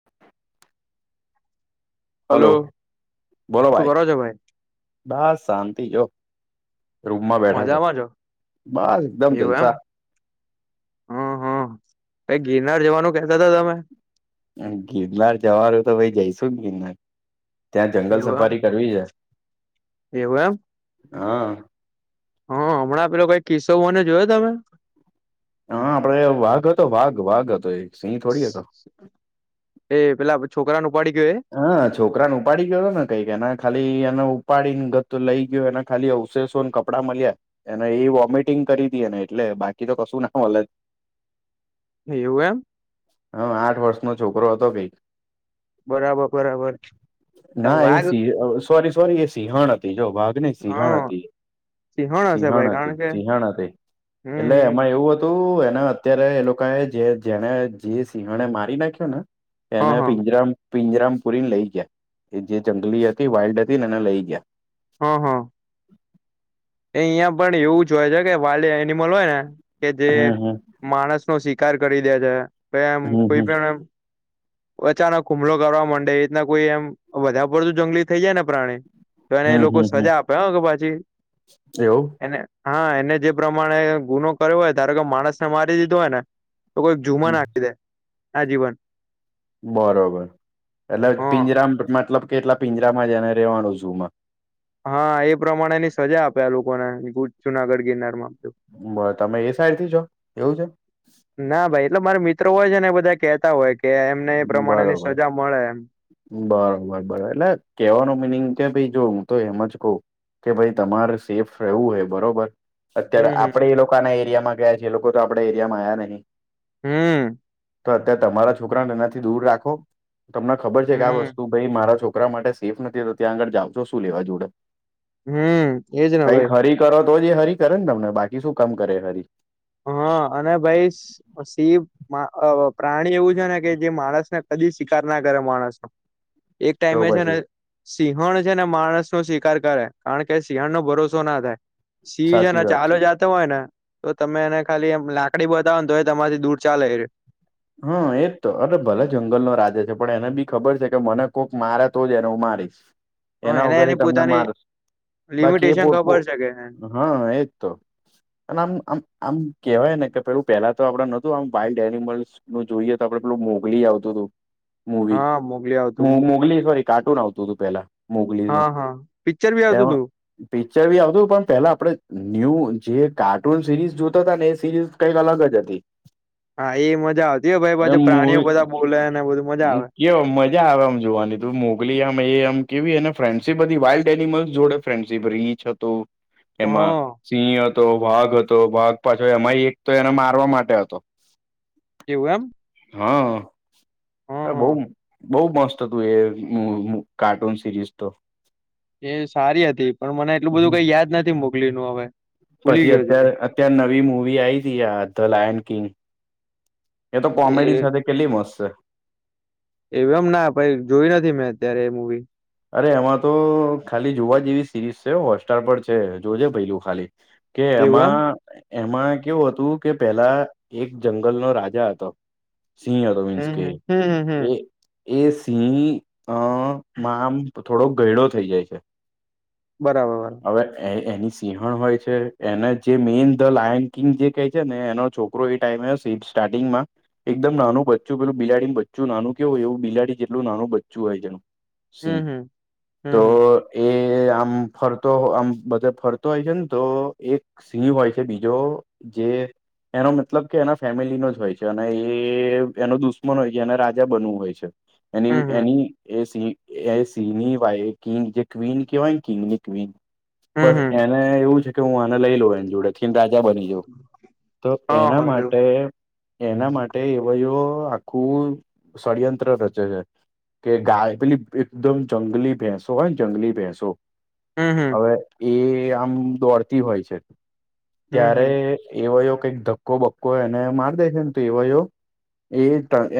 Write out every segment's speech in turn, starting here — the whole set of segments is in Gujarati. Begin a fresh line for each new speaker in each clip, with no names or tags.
[unintelligible] હલો બોલો
શું
ભાઈ
કરો છો
બસ શાંતિ જો. રૂમમાં બેઠા છે
મજામાં છો
બસ એકદમ
એવું એમ
જલસા.
હમ હમ ભાઈ ગિરનાર જવાનું કેતા હતા તમે?
ગિરનાર જવાનું તો ભાઈ જઈશું ને ગિરનાર. ત્યાં જંગલ
એવું એમ
સફારી કરવી છે.
એવું એમ.
હા.
હા હમણાં આ પેલો કઈ કિસ્સો બન્યો જોયો તમે.
હા આપડે વાઘ હતો વાઘ વાઘ હતો એ સિંહ થોડી હતો.
[inaudible] એ પેલા છોકરા ન ઉપાડી ગયો એ.
હા છોકરાને ઉપાડી ગયો હતો ને કઈક એને ખાલી એને ઉપાડીને લઈ ગયો એ ખાલી અવશેષો કપડા મળ્યા એને એ વોમિટિંગ કરી તી એને એટલે બાકી તો કશું ના મળ
એવું એમ.
હમ આઠ વર્ષનો છોકરો હતો ભઈ.
બરાબર બરાબર
ના એ
વાઘ
સિંહ સોરી સોરી એ સિંહણ હતી જો વાઘ સિંહણ
હા
હતી
હશે
સિંહણ
ભાઈ
હતી
કારણ કે
સિંહણ હતી એટલે
હમ હમ
એમાં એવું હત ત એના અત્યારે એ લોકોએ જે જેને જે સિંહણે મારી નાખ્યો ને
હા
એને
હા
પિંજરામ પિંજરામપુરીને લઈ ગયા એ જે જંગલી હતી વાઇલ્ડ હતી ને એને લઈ ગયા.
હમ હમ. એ અહિયાં પણ એવું જ હોય છે કે વાઇલ્ડ એનિમલ હોય ને કે જે
હમ
માણસ નો શિકાર કરી દે છે કે એમ
હમ
કોઈ
હમ
પણ એમ અચાનક હુમલો કરવા માંડે એ રીતના કોઈ એમ વધારે પડતું જંગલી થઇ જાય ને પ્રાણી. તો
હમ
એને એ
હમ
લોકો સજા આપે હો કે પછી
એવુ
એને હા એને જે પ્રમાણે ગુનો કર્યો હોય ધારો કે માણસ ને મારી દીધો હોય ને તો કોઈક જુમા
હમ.
નાખી દે આ જીવન
બરોબર એટલે
હ
પિંજરા મતલબ કે એટલા પિંજરામાં જને રવાનું છું ઝૂ માં
હા એ પ્રમાણે ની સજા આપે લોકોનેુ જુનાગઢ ગિરનાર માં
તો તમે એ સાઇડ થી છો એવું છે
ના ભાઈ એટલે મારે મિત્રો હોય છે ને એ બધા કેતા હોય કે એમને એ પ્રમાણેની
બરોબર
સજા મળે એમ
બરોબર બરોબર એટલે કેવાનો મિનિંગ કે ભાઇ હું તો એમાં જ કહ એમાય તમારે સેફ રહેવું હોય બરોબર અત્યારે
હમ
આપણેે એ લોકોના એરિયામાં ગયા છે એ લોકો તો આપડા એરિયામાં આવ્યા નહિ
હમ
તો અત્યારે તમારા છોકરાને એનાથી દૂર રાખો તમને ખબર છે કે આ
હમ
વસ્તુ ભાઈ મારા છોકરા છોકરા માટે સેફ નથી તો ત્યાં આગળ જાવજ છો શું લેવા જોડે
હમ એજ ને
કઈક
ભાઈ
હરી કરો તો જ એ હરી કરે ને તમને બાકી શું કામ કરે હરી
હા અને ભાઈ સિંહ પ્રાણી એવું છે ને કે જે માણસને કદી શિકાર ના કરે માણસ એક
તો
ટાઈમે છે ને
પછી
સિંહણ છે ને માણસ ન શિકાર કરે કારણ કે સિંહણનો ભરોસો ના થાય સિંહ
સાચી
છેને
વાત છે
ચાલ્યો જતો હોય ને તો તમે એને ખાલી એમ લાકડી બતાવ તો તમારાથી દૂર ચાલે એ
હા એજ તો અરે એ ભલે જંગલનો રાજા છે પણ એને બી ખબર છે કે મને કોઈક મારે તો જને હું મારીશ એના
એને
વગરે
એની
તમને
પોતાની
માર બાકી એ
લિમિટેશન
પો
ખબર છે કે
હા એજ તો અને આમ આમ આમ કેહેવાયને કે પેલું પેલા તો આપણે નહોતું આમ વાઈલ્ડ એનિમલ્સ જો જોઈએ તો આપડે પેલું મોગલી આવતું હતું મુવી
હા મોકલી આવતું
મોગલી સોરી કાર્ટૂન આવતું હતું પેલા મોગલી નું
હા હા પિક્ચર બી આવતું
એમાં
હતું
પિક્ચર બી આવતું પણ પેલા આપડે ન્યૂ જે કાર્ટૂન સિરીઝ જોતા હતા ને એ સિરીઝ કંઈક અલગ જ હતી
હા એ મજા આવતી હોય ભાઈ
એમ
પાછા પ્રાણીઓ બધા બોલે ને બધું મજા આવે
એ મજા આવે આમ જોવાની તું મોગલી આમ એ આમ કેવી ને ફ્રેન્ડશીપ બધી વાઇલ્ડ એનિમલ્સ જોડે ફ્રેન્ડસીપ એ રીંછ હતો
હ
એમાં સિંહ હતો વાઘ હતો વાઘ પાછો એમાંય એક તો એને મારવા માટે હતો
એવું એમ
હા
હ હ
બહુ બહુ મસ્ત હતું એ કાર્ટૂન સિરીઝ તો
એ સારી હતી પણ મને એટલું બધું કઈ યાદ નથી મોગલી નુ હવે ભૂલી ગયો છે ભાઈ
જે આ નવી મુવી આઈ તી આ ધ લાયન કિંગ એ તો કોમેડી
એ
સાથે કેટલી મસ્ત છે
એવ એમ ના પાઈ જોય નથી મેં અત્યારે એ મવી
અરે એમાં તો ખાલી જોવા જેવી સિરીઝ છે હોટસ્ટાર પર છે જોજે પેલું ખાલી કે એમાં
એવું
એમાં કેવું હતું કે પેલા એક જંગલનો રાજા હતો સિંહ રવિન્સ
એમ
કે
હમ હમ હમ હમ હમ
એ એ સિંહ અ મા આમ થોડો ગયડો થઈ જાય છે
બરાબર બરાબર
હવે એની સિંહણ હોય છે એને જે મેઈન ધ લાયન કિંગ જે કહે છે ને એનો છોકરો એ ટાઈમે સ સ્ટાર્ટિગમાં એકદમ નાનું બચ્ચું પેલું બિલાડીનું બચ્ચું નાનું કેવુંય એવ બિલાડી જેટલુંનું બચ્ચું હોય એનું સિંહ
હમ હમ હમ
તો એ આમ ફરતો આમ બધા ફરતો હોય છે ને તો એક સિંહ હોય છે બીજો જે એનો મતલબ કે એના ફેમિલીનો જ હોય છે અને એ એનો દુશ્મન હોય છે એને રાજા બનવું હોય છે
હમ હમ
એની
હમ
એની એ સિ એ સિંહની વાય કિંગ જે ક્વીિન કેવાયને કિંગની ક્વીિન બસ
હમ
એ
હમ
અને એવું છે કે હું આને લઈ લઉ એની જોડે થીને રાજા બની જાઉં તો
હા
એના
હા એવું
માટે એના માટે એવયયો આખું ષડયંત્ર રચે છે કે ગાય પેલી એકદમ જંગલી ભેંસો હોયને જંગલી ભેંસો
હમ હમ
હવે એ આમ દોડતી હોય છે
હમ હમ
ત્યારે એવયો કઈક ધક્કો બક્કો એને માર દે છે ને તું એવયો એ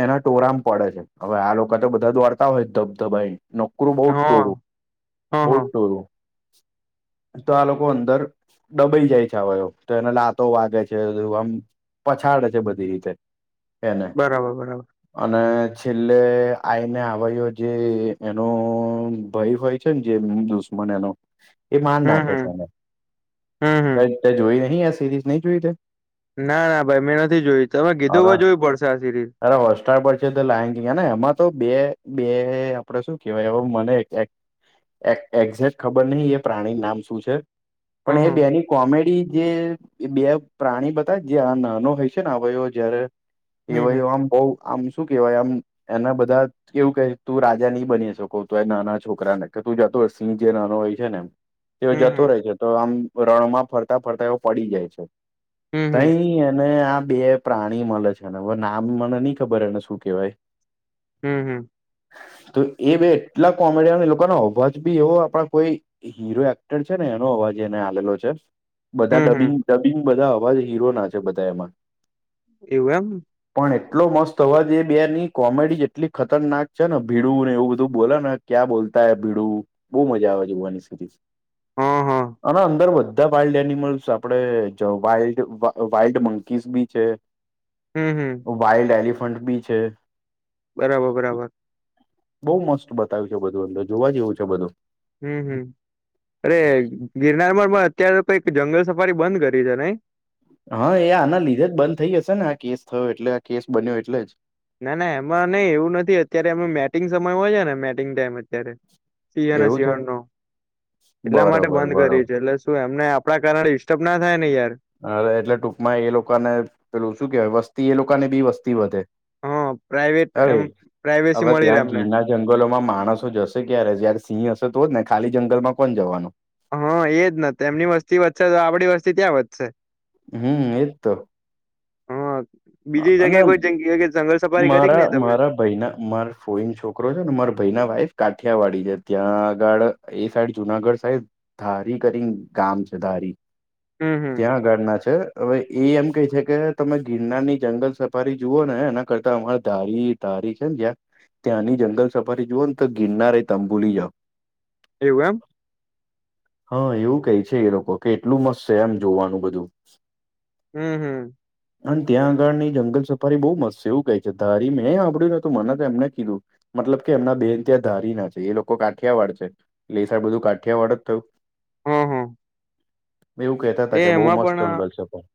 એના ટોરામ પડે છે હવે આ લોકો તો બધા દોડતા હોય જબ તો ભાઈ નોકરું બહુ જ ટોરું
હા હા
બહ જ
હા
ટોરું
[inaudible]
તો આ લોકો અંદર ડબાઈ જાય છેયો તો એના લાતો વાગે છે આમ પછાડ છે બધી રીતે એને
બરાબર બરાબર
અને છેલ્લે આઈને આવું જે એનો ભાઈ હોય છે ને જે દુશ્મન એનો એ માન
હમ
નાખે
હમ
છે એને
હમ હમ
જોય નહી આ સિરીઝ નહી જોય તે.
ના ના ભાઈ મેં નથી જોયું તમે કીધું
અરે
જોવું પડશે આ સિરિલ.
અરે હોટસ્ટાર પર છે તો લા ને એમાં તો બે. બે આપડે શું કેવાય એવ મને. એક્ઝેક ખબર નહ એ પ્રાણી નામ શું છે.
હમ
પણ એ
હમ
બેની કોમેડી જે બે પ્રાણી બતા જે આ નાનો હોય છે ને આ જયારે. એવ એ
હમ
આમ બઉ આમ શું કેવાય આમ એના બધા. એવું કહે તું રાજા નહી બની શકો તું એ નાના છોકરાને કે તું જતો હો સિંહ જે નાનો હોય છે ને એમ. તેઓ જતો
હમ
રહે છે તો આમ રણમાં ફરતા ફરતા એવ પડી જાય છે.
હમ હમ હમ
તઈ અને આ બે. પ્રાણી મળે છે ને હવે નામ મને નહી ખબર એને શું કેહેવાય.
હમ હમ.
તો એ બે એટલા કોમેડયન એ લોકોનો અવાજ બી એવો આપણા કોઈ. હીરો એક્ટર છે ને એનો અવાજ એને આવેલો છે. બધા
હમ હમ હમ
ડબિંગ ડબિંગ બધા અવાજ હીરો ના છે બધા એમાં.
એવું એમ.
પણ એટલો મસ્ત હવાજે બેની કોમેડી. એટલી ખતરનાક છે ને ભીડુંને એવું બધું બોલે ને ક્યાં બોલતા હ ભીડું. બહુ મજા આવે છે બવાની સુધી.
હા હા.
અને અંદર બધા વાઇલ્ડ એનિમલ્સ આપણે વાઇલ્ડ વાઈલ્ડ મંકીસબી છે.
હમ હમ.
વાઈલ્ડ એલિફન્ટબી છે.
બરાબર બરાબર.
બહુ મસ્ત બતાવ્યું છે બધું અંદર જોવા જેવું છે બધું.
હમ હમ અરે ગિરનારમાં પણ અત્યારે કઈક જંગલ સફારી બંધ કરી છે નઈ.
હા એ આના લીધે જ બંધ થઈ જશે ને આ કેસ થયો એટલે આ કેસ બન્યો એટલેજ.
ના ના એમાં નહી એવું નથી અત્યારે એ મેટિંગ સમય હોય છે ને મેટિંગ ટાઈમ અત્યારે. સી
જ
એના
એવું છે
સીવાનો. એટલા
બરોબર
માટે બંધ
બરોબર
કરીએ છીએ એટલે શું એમને આપણા કારણે ડિસ્ટર્બ ના થાય ને યાર.
અરે એટલે ટૂંકમાં એ લોકોને પેલું શું કેહેવાય વસ્તી એ લોકો ની બી વસ્તી વધે.
પ્રાાઈવેટ
અરે
એમ પ્રાાઈવેસી
હવે
મળી રહેે
ત્યાં
અમને.
ગીરના જંગલોમાં માણસો જશે ક્યારે જયારે સિંહ હશે તો જ ને ખાલી જંગલમાં કોણ જવાનું.
હા એજ નથી એમની વસ્તી વધશે તો આપડી વસ્તી ત્યાં વધશે.
હમ એ તો.
હા બીજી
અને
જગ્યાએ કોઈ જગ્યા જંગલ સફારી કરી કે
મારા
નહી તમે
મારા ભાઈ ના મારા. ફોઈન છોકરો છે ને મારા ભાઈ ના વાઈફ કાઠિયાવાડી છે ત્યાં આગળ એ સાઈડ જુનાગઢ સાઈડ. ધારી કરી ગામ છે ધારી.
હમ હમ
ત્યાં આગાળના છે હવે એ એમ ક છે કે તમે ગિરનારની. જંગલ સફારી જુઓ ને એના કરતા અમારે ધારી ધારી છે ને જં. ત્યાંની જંગલ સફારી જુઓ ને તો ગિરનાર એ તંમ ભુલી જાઓ.
એવું એમ.
હા એવું કઈ છે એ લોકો કે એટલું મસ્ત છે એમ જોવાનું બધું.
હમ હમ.
અંત્યા આ. બળ ની જંગલ સફારી બહુ મસ્ત છે એવું કહે છે ધારી મેંં હાભડ્યું ને હતું મને તો એમને કીધું. મતલબ કે એમના બેન ત્યાં ધારી ના છે એ લોકો કાંઠિયાવાડ છે. લેસ આ બધું કાઠિયા વાડ જ થયું.
હમ હા.
મેં એવું કહેતા હતા કે બઉુ મસ્ત જંગલ છે પણ.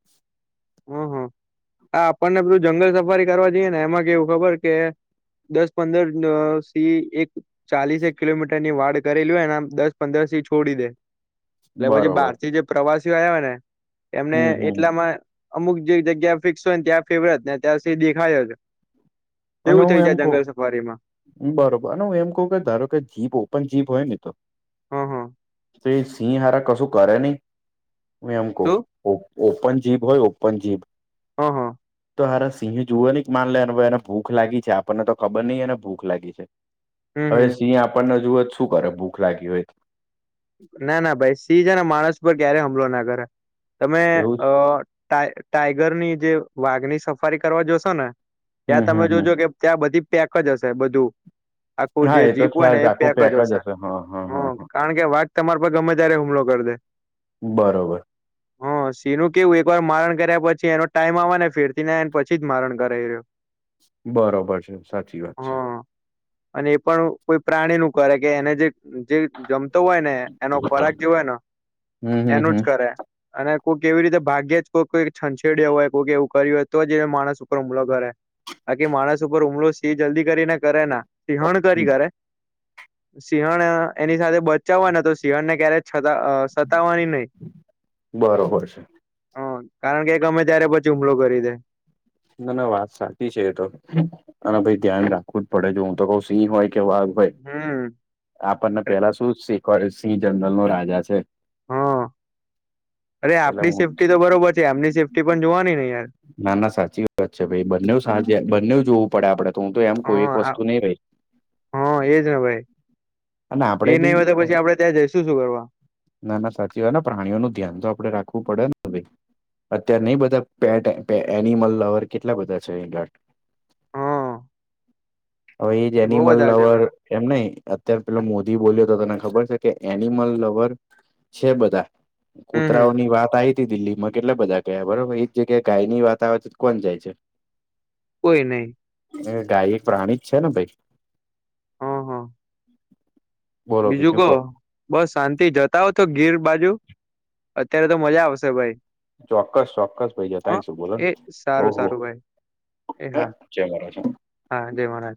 હમ હ આ આપણને બધું જંગલ સફારી કરવા જઈએ ને એમાં કેવું ખબર કે દસ પંદર સી એક ચાલીસેક કિલોમીટર ની વાડ કરેલી હોય એને આમ દસ પંદર થી છોડી દે એટ પછી
બરોબર
બહારથી જે પ્રવાસીઓ આવ હોય ને એમને
હમ હમ
એટલામાં અમુક જે જગ્યા ફિક્સ હોય ને ત્યાં ફેવરે ને ત્યાં સુ દેખાયો છે
અને હું એમ
સફારીમાં
કહું બરોબર અનેને હું એમ કઉું કે ધારો કે જીપ ઓપન જીપ હોય ને તો
હ હ
તો સિંહારા કશું કરે નહી હુ એમે કો
શું
ઓપન જીભ હોય ઓપન જીભ
હ હ
તો હાર સિંહ જોવા ને માન લેને ભાઈ એને ભૂખ લાગી છે આપણને તો ખબર નહ એને ભૂખ લાગી છે.
હમ
હવે
હમ
સિંહ આપણને જુવે જ શું કરે ભૂખ લાગી હોય ત
ના ના ભાઈ સિંહજને માણસ પર ક્યારે હુમલો ના કરે તમે
એવું
અ
જ.
ટાય ટાઈગરની જે વાઘની સફારી કરવા જોશો ને ત્યાં
હમ
તમે
હમ
જોજો કે
હમ
ત્યાં બધી પેક જ હશે બધું. આખું જે
હા એ તો
જીપ હોય ને
ખ્યાલ
એ
છે, આખું
પેક જ હશે
હા હા
હ
હા હા
કારણ કે કે વાધ તમારા પર ગમે ત્યારે હુમલો કરી દે
બરોબર.
હા. સીહનું કેવું એક વાર મારણ કર્યા પછી એનો ટાઈમ આવે ને ફેરતી ના એ પછી જ મારણ કરાઈ એ રહ્યો
બરોબર છે સાચી વાત છે.
હા અને એ પણ કોઈ પ્રાણી નું કરે કે એને જે જમતો હોય ને એનો
હમ
ખોરાક જે હોય ને
હમ
એનું
હમ
જ કરે અને કોઈ કેવી રીતે ભાગ્યે જ કોઈઈ છંછેડ હોય કોઈક એવું કર્યું હોય તો જ એ માણસ ઉપર હુમલો કરે આકી માણસ ઉપર હમલો છે જલ્દી કરીને કરે ના સિંહણ કરી કરે સિંહણ એની સાથે બચ્ ચ્ચ હોયના તો સિંહળને ક્યારેતા સતાવાની નહીં
બરોબર છે
હ કારણ કે એક અમે ત્યારે પછી હુમલો કરી દે.
ના ના વાત સાચી છે એતો. અને ભઈ ધ્યાન રાખવું જ પડે જો હું તો કઉ સિંહ હોય કે વાઘ ભાઈ
હમ
આપણને
અરે
પેલા શું શિખવાડ્યું સિંહ જગલ નો રાજા છે.
હા અરે
એટલે
આપણી
હું
સેફ્ટી તો બરોબર છે આમની સેફ્ટી પણ જોવાની ને યાર
ના ના સાચી વાત છે ભાઈ બંને સાંજે બંને જોવું પડે આપડે તો હું તો એમ કોઈ એક
હા આ-
વસ્તુ નહી રઈ
હા એજ ને ભાઈ,
અને આપડે
એ નહી
બી
હો તો પછી આપડે ત્યાં જઈ શું શું કરવા
નાના સાચી હોય પ્રાણીઓ નું ધ્યાન તો આપડે રાખવું પડે ને ભાઈ અત્યારે નહી બધા પે એનિમલ લવર કેટલા બધા છે.
હા.
હવે એ જ
બહુ
એનિમલ
બધા છે
લવર
ભાઈ
એમ નહિ અ અત્યારે પેલા મોદી બોલ્યો તો તને ખબર છે કે એનિમલ લવર છે બધા
હમ હમ
કૂતરાઓ ની વાત આવી દિલ્હીમાં કેટલા બધા ગયા બરોબર એ જગ્યાએ ગાય ની વાત આવે તો કોણ જાય છે.
કોઈ નહી.
એ ગાય એક પ્રાણી જ છે ને ભાઈ
હા હા
બોલો
બીજું કો
કહો
બસ શાંતિ જતા હો તો ગીર બાજુ અત્યારે તો મજા આવશે ભાઈ.
ચોક્કસ ચોક્કસ ભાઈ
હ
જતાયશું બોલો
એ
ને
સારું
ઓહો
સારું ભાઈ
હા જે મારા છે.
હા દેવાના